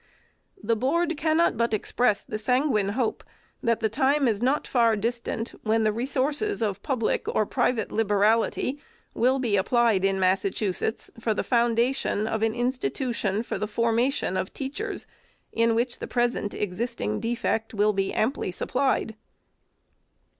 The Board cannot but express the sanguine hope, that the time is not far distant, when the resources of public or private liberality will be applied in Massachusetts for the foundation of an institution for the formation of teachers, in which the present existing defect will be amply supplied.